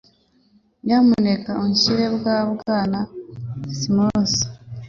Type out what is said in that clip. Nyamuneka unshyire kwa Bwana Smith.